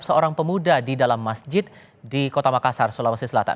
seorang pemuda di dalam masjid di kota makassar sulawesi selatan